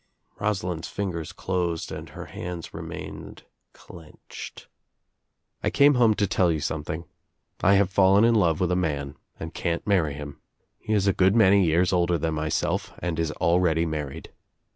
Rosalind's fingers closed and her hands remained clenched. "I came home to tell you something. I have fallen in love with a man and can't marry him. He il a good many years older than myself and is already married.